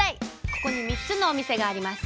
ここに３つのお店があります。